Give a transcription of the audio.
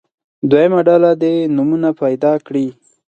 دویمه ډله دې نومونه پیدا کړي.